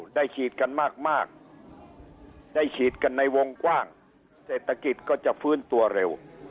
ได้ฉีดกันมากได้ฉีดกันในวงกว้างเศรษฐกิจก็จะฟื้นตัวเร็ว